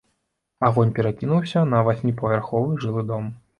Агонь перакінуўся на васьміпавярховы жылы дом.